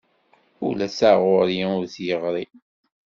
Ula d taɣuri ur t-yeɣri.